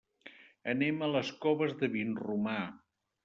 Anem a les Coves de Vinromà.